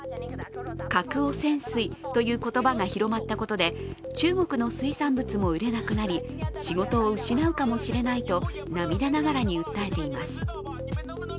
核汚染水という言葉が広まったことで中国の水産物も売れなくなり仕事を失うかもしれないと涙ながらに訴えています。